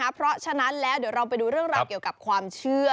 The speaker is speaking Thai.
เพราะฉะนั้นแล้วเดี๋ยวเราไปดูเรื่องราวเกี่ยวกับความเชื่อ